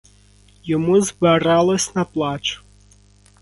Йому збиралось на плач.